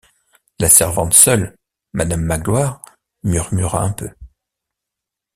La servante seule, madame Magloire, murmura un peu.